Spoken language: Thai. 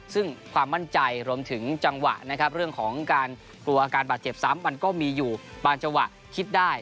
ซึ่งความมั่นใจรวมถึงจังหวะนะครับเรื่องของการกลัวอาการบาดเจ็บซ้ำมันก็มีอยู่บางจังหวะคิดได้